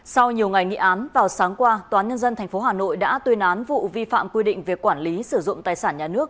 sau nhiều ngày nghị án vào sáng qua tnthh đã tuyên án vụ vi phạm quy định việc quản lý sử dụng tài sản nhà nước